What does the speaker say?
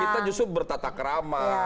kita justru bertata kerama